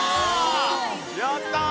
やった！